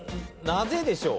なぜでしょう？